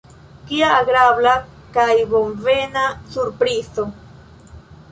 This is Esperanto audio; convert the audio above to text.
Kia agrabla kaj bonvena surprizo!